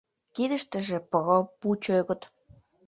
Кидыштыже — про, пу чӧгыт.